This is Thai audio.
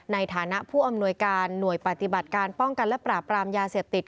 ในฐานะผู้อำนวยการหน่วยปฏิบัติการป้องกันและปราบรามยาเสพติด